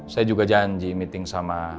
saya juga janji meeting sama